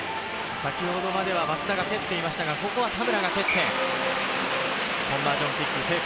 先ほどまでは松田が蹴っていましたが、ここは田村が蹴って、コンバージョンキック成功。